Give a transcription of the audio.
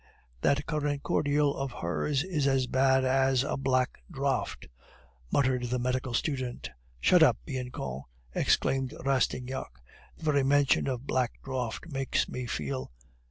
"That currant cordial of hers is as bad as a black draught," muttered the medical student. "Shut up, Bianchon," exclaimed Rastignac; "the very mention of black draught makes me feel